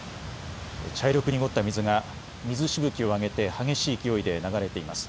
茶色く濁った水が水しぶきを上げて激しい勢いで流れています。